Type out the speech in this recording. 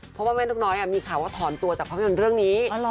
เพราะว่าแม่นกน้อยมีข่าวว่าถอนตัวจากภาพยนตร์เรื่องนี้